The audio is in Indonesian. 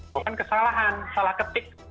bukan kesalahan salah ketik